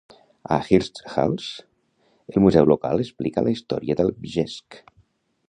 A Hirtshals, el museu local explica la història del "bjesk".